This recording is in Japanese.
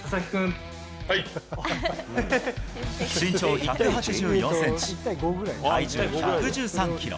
身長１８４ｃｍ、体重１１３ｋｇ。